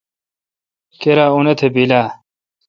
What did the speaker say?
کیرا اوتھ بیل اؘ۔